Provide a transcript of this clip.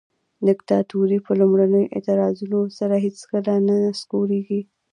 دیکتاتوري په لومړنیو اعتراضونو سره هیڅکله نه نسکوریږي.